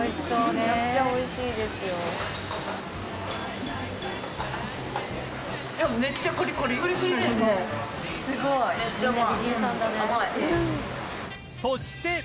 そして